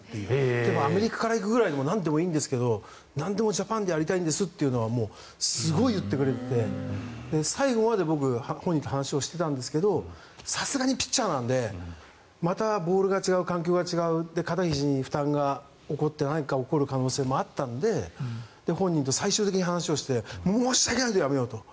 でもアメリカから行くとかなんでもいいんですけどなんでもジャパンでやりたいんですというのはもう、すごい言ってくれていて最後まで僕、本人と話をしていたんですがさすがにピッチャーなのでまたボールが違う環境が違う肩ひじに負担が起こって何か起こる可能性もあったので本人と最終的に話をして申し訳ないけど、やめようと。